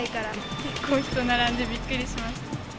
結構人並んでびっくりしました。